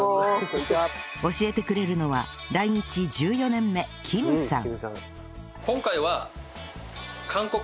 教えてくれるのは来日１４年目キムさん